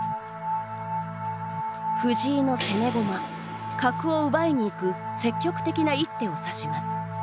藤井の攻め駒、角を奪いに行く積極的な一手を指します。